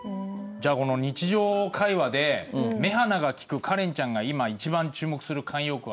じゃあこの日常会話で目鼻がきくカレンちゃんが今一番注目する慣用句は何だろう？